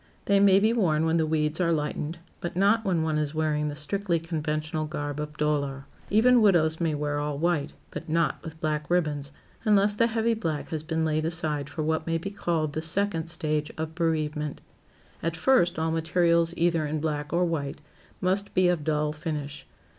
They may be worn when the weeds are lightened, but not when one is wearing the strictly conventional garb of dolor. Even widows may wear all white, but not with black ribbons, unless the heavy black has been laid aside for what may be called the "second stage" of bereavement. At first, all materials either in black or white, must be of dull finish.